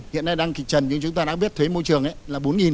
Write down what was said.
hiện nay đang kịch trần như chúng ta đã biết thuế môi trường là bốn